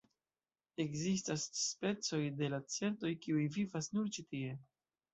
Ekzistas specoj de lacertoj, kiuj vivas nur ĉi tie.